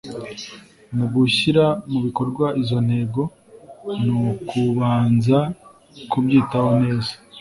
Mu gushyira mu bikorwa izo ntego ni ukubanza kubyitaho neza